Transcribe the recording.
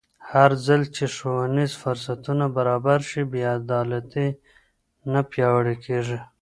هرځل چې ښوونیز فرصتونه برابر شي، بې عدالتي نه پیاوړې کېږي.